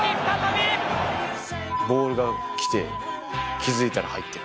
ボールが来て気付いたら入ってる。